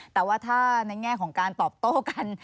แต่ว่าถ้าในแง่ของการตอบโต้กัน